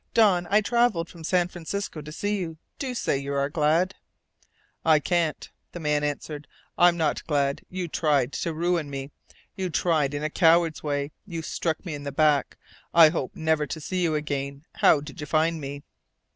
"Don, I've travelled from San Francisco to see you. Do say you are glad!" "I can't," the man answered. "I'm not glad. You tried to ruin me. You tried in a coward's way. You struck me in the back. I hoped never to see you again. How did you find me?"